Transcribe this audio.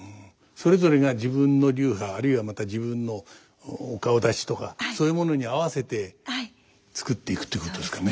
それぞれが自分の流派あるいはまた自分のお顔だちとかそういうものに合わせて作っていくっていうことですかね。